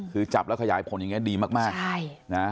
คือจับแล้วขยายผลอย่างนี้ดีมากใช่นะ